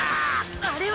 あれは。